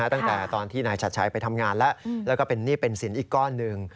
ตั้งแต่ตอนที่นายชัดชัยไปทำงานแล้วแล้วก็เป็นหนี้เป็นสินอีกก้อนหนึ่ง